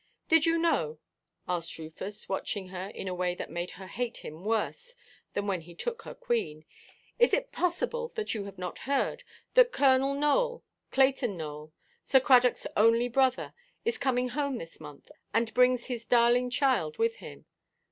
"Did you not know," asked Rufus, watching her in a way that made her hate him worse than when he took her queen, "is it possible that you have not heard, that Colonel Nowell, Clayton Nowell, Sir Cradockʼs only brother, is coming home this month, and brings his darling child with him?"